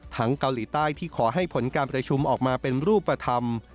เกาหลีใต้ที่ขอให้ผลการประชุมออกมาเป็นรูปธรรม